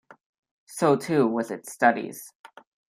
So too with its studies.